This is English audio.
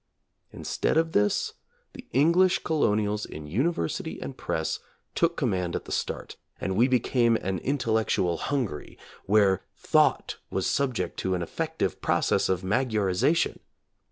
Instead of this, the English colonials in university and press took command at the start, and we became an intellectual Hungary where thought was subject to an effective process of Magyarization.